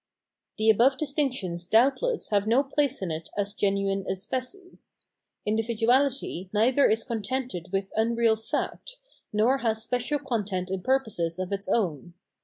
The above distinctions doubtless have no place in it as genuine esfeces. Individuality neither is contented with unreal " fact," nor has special content and purposes of its own.